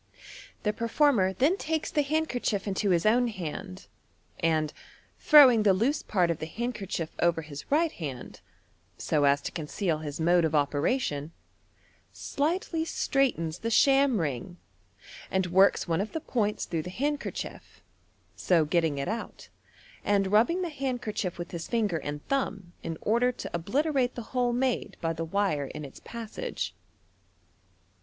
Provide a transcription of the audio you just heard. The per former then takes the handkerchitf into his own hand, and, throwing the loose part of the handkerchief over his right hand, so as to con ceal his mode of operation, slightly straighten* the sham ring, and works one of the points through the handkerchief, so getting it out, and nibbing the handkerchief with his finger and thumb in order to obliterate the hole made by the wire in its passage.